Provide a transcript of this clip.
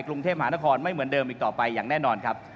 กรุงเทพหานครไม่เหมือนเดิมอีกต่อไปอย่างแน่นอนครับ